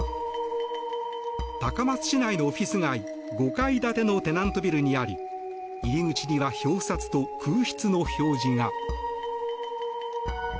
高松市内のオフィス街５階建てのテナントビルにあり入り口には表札と空室の表示が。